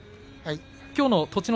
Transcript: きょうの栃ノ